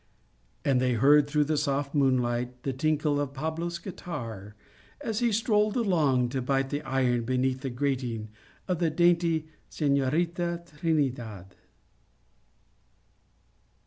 " and they heard through the soft moonlight the tinkle of Pablo's guitar, as he strolled along to bite the iron beneath the grating of the dainty Senorita Trinidad.